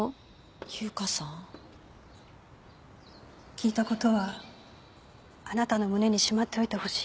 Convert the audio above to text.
聞いたことはあなたの胸にしまっておいてほしい